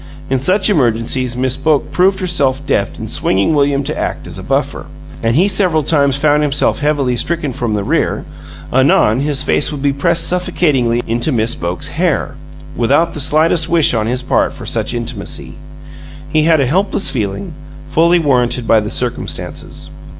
In such emergencies Miss Boke proved herself deft in swinging William to act as a buffer, and he several times found himself heavily stricken from the rear; anon his face would be pressed suffocatingly into Miss Boke's hair, without the slightest wish on his part for such intimacy. He had a helpless feeling, fully warranted by the circumstances.